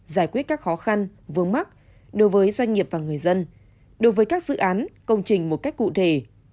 giải quyết các khó khăn vướng mắt đối với doanh nghiệp và người dân đối với các dự án công trình một cách cụ thể